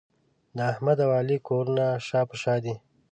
د احمد او علي کورونه شا په شا دي.